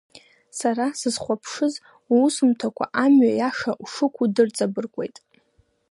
Сара сызхәаԥшыз уусумҭақәа амҩа иаша ушықәу дырҵабыргуеит.